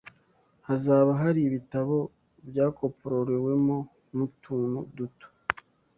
Hazaba hari ibitabo byakopororewemo n’utuntu duto